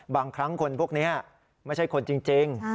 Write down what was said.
บางครั้งคนพวกนี้ไม่ใช่คนจริง